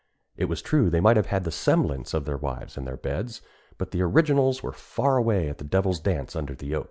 It was true they might have had the semblance of their wives in their beds, but the originals were far away at the devil's dance under the oak.